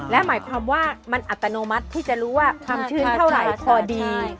และหมายความว่ามันอัตโนมัติที่จะรู้ว่าความชื้นเท่าไหร่พอดี